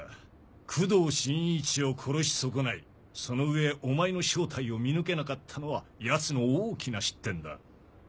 工藤新一を殺し損ないその上お前の正体を見抜けなかったのはヤツの大きな失点だ。